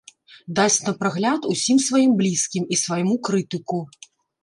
Дасць на прагляд усім сваім блізкім і свайму крытыку.